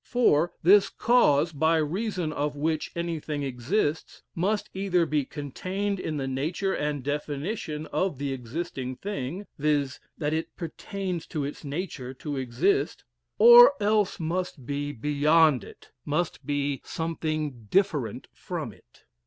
4. This cause, by reason of which anything exists, must either be contained in the nature and definition of the existing thing (viz., that it pertains to its nature to exist,) or else must be beyond it must be something different from it.